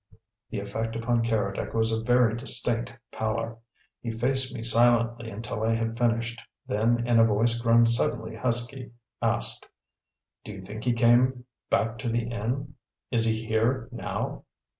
The effect upon Keredec was a very distinct pallor. He faced me silently until I had finished, then in a voice grown suddenly husky, asked: "Do you think he came back to the inn? Is he here now?"